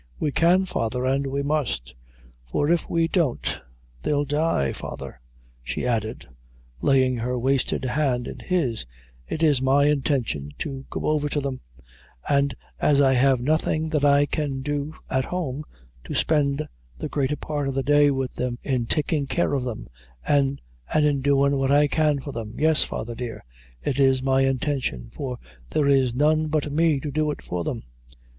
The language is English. "We can, father an' we must; for if we don't they'll die. Father," she added, laying her wasted hand in his; "it is my intention to go over to them an' as I have nothing that I can do at home, to spend the greater part of the day with them in takin' care of them an' an' in doin' what I can for them, Yes, father dear it is my intention for there is none but me to do it for them."